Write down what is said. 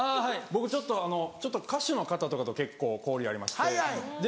僕ちょっと歌手の方とかと結構交流ありまして。